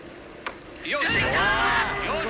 よし！